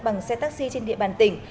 bằng xe taxi trên địa bàn tỉnh